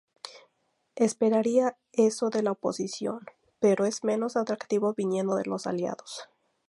Esperaría eso de la oposición, pero es menos atractivo viniendo de los aliados.